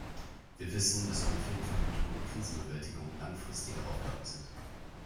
Wir wissen, dass Konfliktverhütung und Krisenbewältigung langfristige Aufgaben sind.